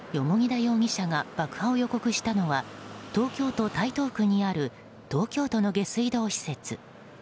蓬田容疑者が爆破を予告したのは東京都台東区にある東京都の下水道施設。